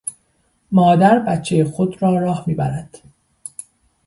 مادر بچهٔ خود را راه میبرد.